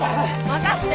任せて！